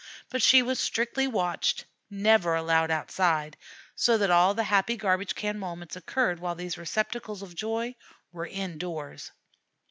But she was strictly watched, was never allowed outside so that all the happy garbage can moments occurred while these receptacles of joy were indoors.